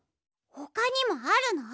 ほかにもあるの？